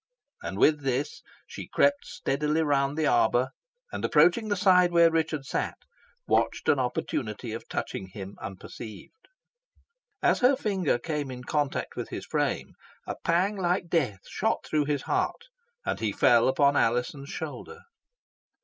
And with this she crept stealthily round the arbour, and, approaching the side where Richard sat, watched an opportunity of touching him unperceived. As her finger came in contact with his frame, a pang like death shot through his heart, and he fell upon Alizon's shoulder.